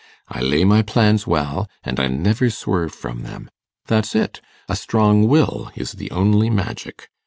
I lay my plans well, and I never swerve from them that's it. A strong will is the only magic.